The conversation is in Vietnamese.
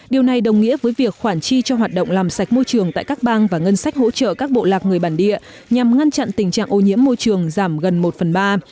điều này đồng nghĩa với việc khoản chi cho hoạt động làm sạch môi trường tại các bang và ngân sách hỗ trợ các bộ lạc người bản địa nhằm ngăn chặn tình trạng ô nhiễm môi trường giảm gần một phần ba